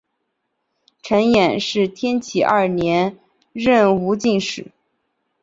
陈演是天启二年壬戌进士。